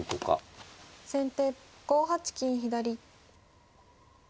先手５八金左。